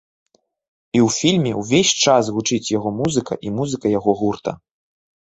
І ў фільме ўвесь час гучыць яго музыка і музыка яго гурта.